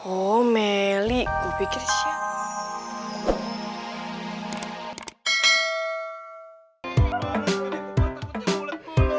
oh meli gue pikir siapa